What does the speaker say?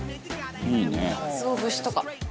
かつお節とか。